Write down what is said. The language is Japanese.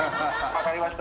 わかりました。